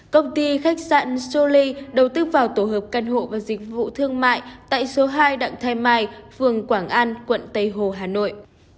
công ty khách sạn soli đầu tư vào tổ hợp căn hộ và dịch vụ thương mại tại số hai đặng thái mai phường quảng an quận tây hồ hà nội